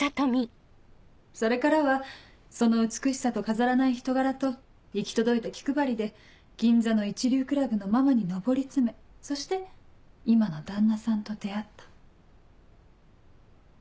それからはその美しさと飾らない人柄と行き届いた気配りで銀座の一流クラブのママに上り詰めそして今の旦那さんと出会った。